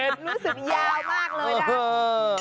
รู้สึกยาวมากเลยนะ